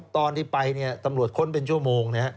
ตอนที่ไปตำรวจค้นเป็นชั่วโมง